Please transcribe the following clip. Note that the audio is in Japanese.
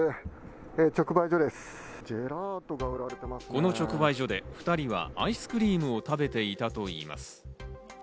この直売所で２人はアイスクリームを食べていたといいます。